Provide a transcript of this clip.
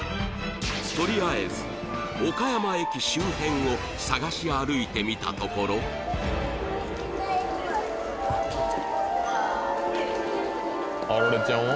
とりあえず岡山駅周辺を探し歩いてみたところアラレちゃんは？